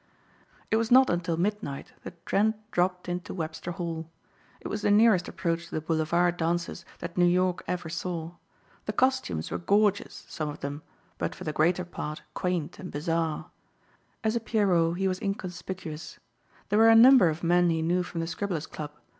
It was not until midnight that Trent dropped into Webster Hall. It was the nearest approach to the boulevard dances that New York ever saw. The costumes were gorgeous, some of them, but for the greater part quaint and bizarre. As a Pierrot he was inconspicuous. There were a number of men he knew from the Scribblers' Club.